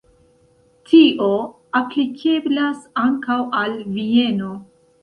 Tio aplikeblas ankaŭ al Vieno.